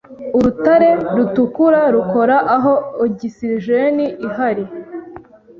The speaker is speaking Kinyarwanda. Urutare rutukura rukora aho ogisijeni ihari